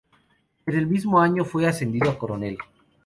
En el mismo año fue ascendido a coronel.